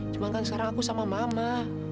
cuma kan sekarang aku sama mama